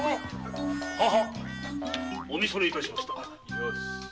おみそれ致しました。